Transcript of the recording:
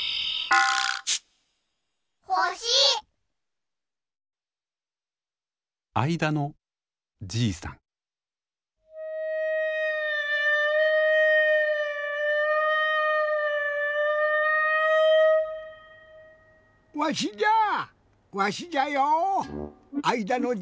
あいだのじいさんじゃよ。